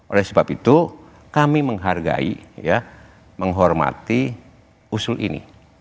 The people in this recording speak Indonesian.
oleh sebab itu kami menghargai ya menghormati usul ini